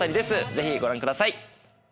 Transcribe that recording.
ぜひご覧ください。